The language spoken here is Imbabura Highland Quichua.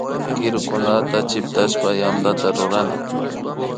Kirukunata chiktashpa yantata rurana